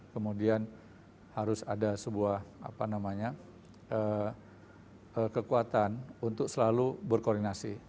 kemudian harus ada sebuah kekuatan untuk selalu berkoordinasi